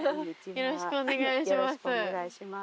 よろしくお願いします。